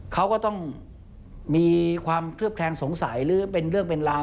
เขาก็ต้องมีความเคลือบแคลงสงสัยหรือเป็นเรื่องเป็นราว